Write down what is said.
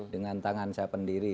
dengan tangan saya pendiri